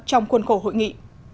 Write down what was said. trong khuôn khổ hội nghị